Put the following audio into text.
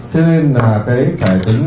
thế nên là cái cải tính